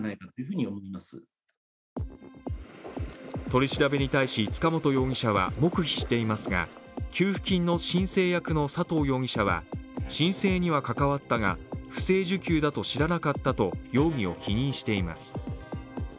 取り調べに対し塚本容疑者は黙秘していますが給付金の申請役の佐藤容疑者は申請には関わったが不正受給だと知らなかったと容疑を否認しています。